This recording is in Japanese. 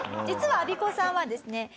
実はアビコさんはですね